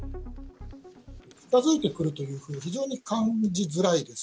近づいてくるというのが非常に感じづらいです。